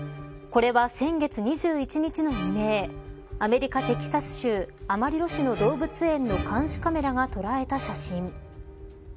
これは、先月２１日の未明アメリカ、テキサス州アマリロ市の動物園の監視カメラが捉えた写真。